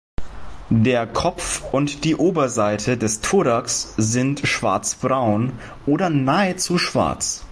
Der Kopf und die Oberseite des Thorax sind schwarzbraun oder nahezu schwarz.